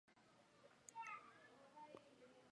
电话记录显示通话持续了三分钟。